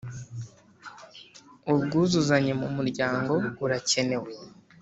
Ubwuzuzanye mu muryango burakenewe